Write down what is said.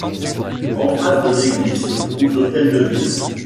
En face de l'église se trouve l'hôtel de ville.